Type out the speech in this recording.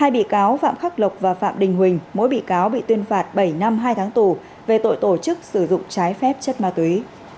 hai bị cáo phạm khắc lộc và phạm đình huỳnh mỗi bị cáo bị tuyên phạt bảy năm hai tháng tù về tội tổ chức sử dụng trái phép chất ma túy